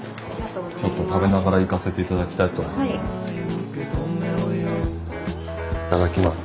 ちょっと食べながらいかせて頂きたいと思います。